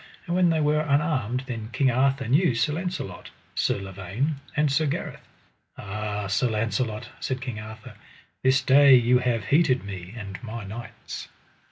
And when they were unarmed then King Arthur knew Sir Launcelot, Sir Lavaine, and Sir Gareth. Ah, Sir Launcelot, said King Arthur, this day ye have heated me and my knights.